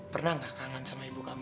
pernah nggak kangen sama ibu kamu